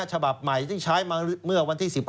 ฉบับใหม่ที่ใช้มาเมื่อวันที่๑๕